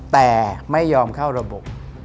แต่ไม่ยอมเข้าระบบ